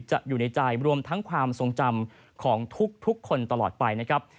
อยู่ในใจรวมทั้งความทรงจำของทุกคนตลอดไปนะครับ